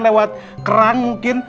lewat kerang mungkin